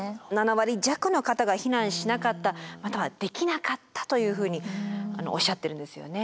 ７割弱の方が避難しなかったまたはできなかったというふうにおっしゃっているんですよね。